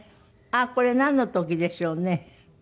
あっこれなんの時でしょうね。